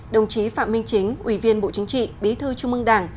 đồng chí phạm minh chính ủy viên bộ chính trị bí thư trung ương đảng